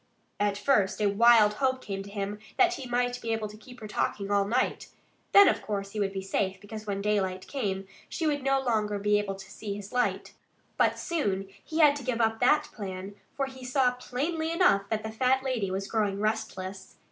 At first a wild hope came to him that he might be able to keep her talking all night. Then, of course, he would be safe; because when daylight came she would no longer be able to see his light. But he soon had to give up that plan, for he saw plainly enough that the fat lady was growing restless.